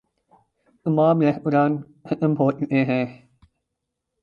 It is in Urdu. تمام ریستوران ختم ہو چکے ہیں۔